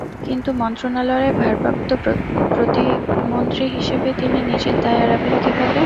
কিন্তু মন্ত্রণালয়ের ভারপ্রাপ্ত প্রতিমন্ত্রী হিসেবে তিনি নিজের দায় এড়াবেন কীভাবে?